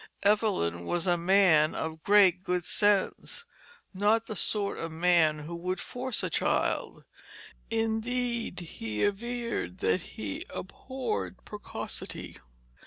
Evelyn was a man of great good sense; not the sort of man who would force a child; indeed he averred that he abhorred precocity.